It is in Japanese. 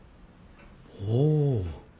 ほう。